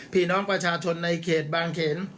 พี่น้องประชาชนในเขตบางเขน